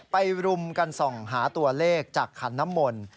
รุมกันส่องหาตัวเลขจากขันน้ำมนต์